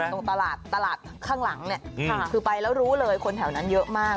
ตรงตลาดตลาดข้างหลังเนี่ยคือไปแล้วรู้เลยคนแถวนั้นเยอะมาก